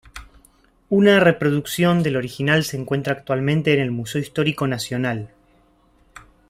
Una reproducción del original se encuentra actualmente en el Museo Histórico Nacional.